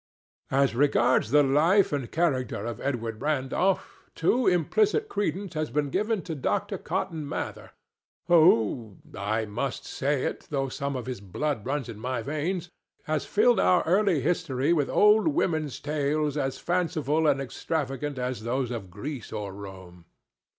"As regards the life and character of Edward Randolph, too implicit credence has been given to Dr. Cotton Mather, who—I must say it, though some of his blood runs in my veins—has filled our early history with old women's tales as fanciful and extravagant as those of Greece or Rome."